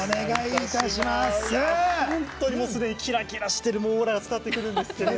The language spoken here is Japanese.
本当に、すでにキラキラしているオーラが伝わってくるんですが。